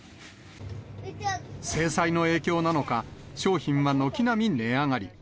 制裁の影響なのか、商品は軒並み値上がり。